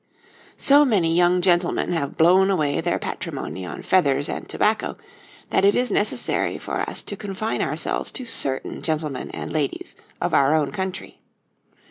So many young gentlemen have blown away their patrimony on feathers and tobacco that it is necessary for us to confine ourselves to certain gentlemen and ladies in our own country.